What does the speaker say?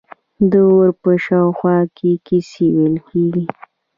د اور په شاوخوا کې کیسې ویل کیږي.